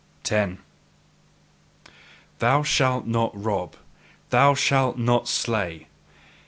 10. "Thou shalt not rob! Thou shalt not slay!"